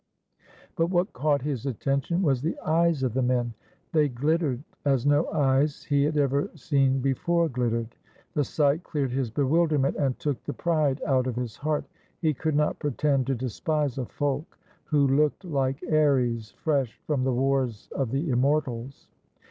But what caught his attention was the eyes of the men. They glittered as no eyes he had ever seen before gHt tered. The sight cleared his bewilderment and took the pride out of his heart. He could not pretend to despise a folk who looked Hke Ares fresh from the wars of the Immortals.